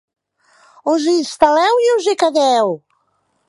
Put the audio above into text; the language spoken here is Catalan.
Us instal·leu i us hi quedeu.